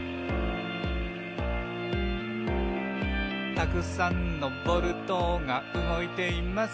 「たくさんのボルトがうごいています」